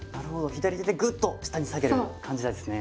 左手でぐっと下に下げる感じなんですね。